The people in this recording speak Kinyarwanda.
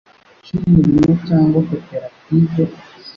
cy umurimo cyangwa koperative